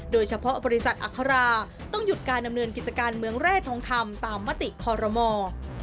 โดยเฉพาะบริษัทอัคราต้องหยุดการดำเนินกิจการเมืองแร่ทองคำตามมติคอรมอ